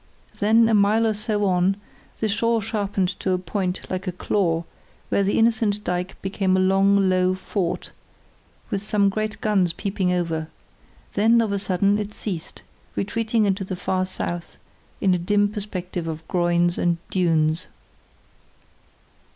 Then, a mile or so on, the shore sharpened to a point like a claw, where the innocent dyke became a long, low fort, with some great guns peeping over; then of a sudden it ceased, retreating into the far south in a dim perspective of groins and dunes.